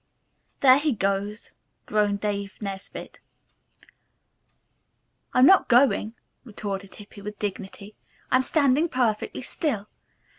"There he goes," groaned Dave Nesbit. "I'm not going," retorted Hippy, with dignity. "I'm standing perfectly still.